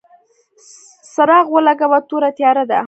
څراغ ولګوه ، توره تیاره ده !